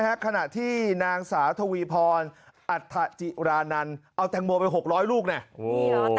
ขณะที่นางสาวทวีพรอัฐจิรานันเอาแตงโมไป๖๐๐ลูกเนี่ย